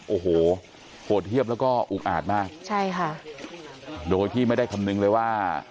โอ้โหโหดเยี่ยมแล้วก็อุกอาจมากใช่ค่ะโดยที่ไม่ได้คำนึงเลยว่า